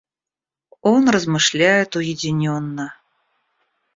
Он размышляет уединенно.